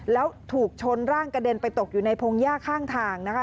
แล้วถูกชนร่างกระเด็นไปตกอยู่ในพงหญ้าข้างทางนะคะ